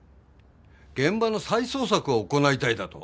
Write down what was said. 現場の再捜索を行いたいだと？